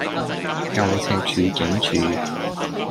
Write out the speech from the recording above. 舊赤柱警署